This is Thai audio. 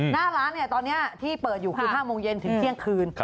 หน้าร้านตอนนี้ที่เปิดอยู่คือ๕โมงเย็นถึงเที่ยงคืน